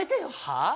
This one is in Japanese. はあ？